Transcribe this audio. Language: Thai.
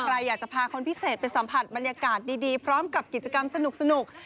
ใครอยากจะพาคนพิเศษไปสัมผัสบรรยากาศดีพร้อมกับกิจกรรมสนุก